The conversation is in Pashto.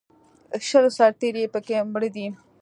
شل سرتېري یې په کې مړه دي